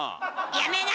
やめない！